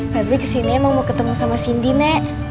febri ke sini emang mau ketemu sama sindi nek